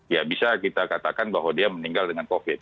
ya bisa kita katakan bahwa dia meninggal dengan covid